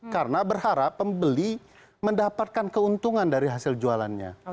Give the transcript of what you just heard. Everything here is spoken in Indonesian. karena berharap pembeli mendapatkan keuntungan dari hasil jualannya